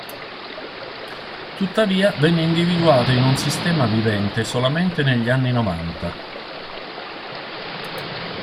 Tuttavia venne individuato in un sistema vivente solamente negli anni Novanta.